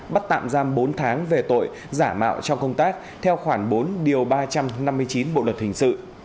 bắt tạm giam bốn tháng về tội giả mạo trong công tác theo khoảng bốn điều ba trăm năm mươi chín bộ luật hình sự